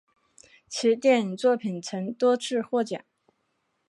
其电影作品曾多次获奖。